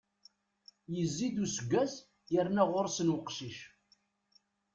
Yezzi-d useggas, yerna ɣur-sen uqcic.